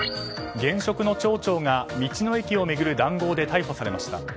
現職の町長が道の駅を巡る談合で逮捕されました。